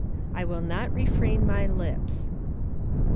"I WILL NOT REFRAIN MY LIPS."